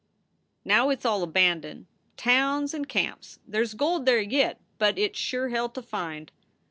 Now it s all abandoned, towns and camps. There s gold there yit, but it s sure hell to find.